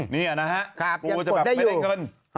เนี่ยนะฮะกูจะแบบไม่ได้เกิน